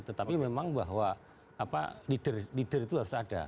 tetapi memang bahwa leader leader itu harus ada